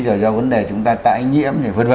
giờ do vấn đề chúng ta tải nhiễm